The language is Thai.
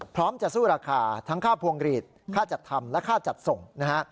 พร้อมจะสู้ราคาทั้งค่าพวงหลีดค่าจัดทำและค่าจัดส่งนะฮะ